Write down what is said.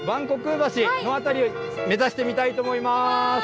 こく橋の辺りを目指してみたいと思います。